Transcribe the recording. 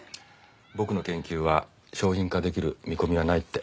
僕の研究は商品化できる見込みはないって。